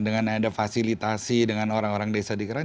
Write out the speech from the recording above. jadi kita fasilitasi dengan orang orang desa di kerajaan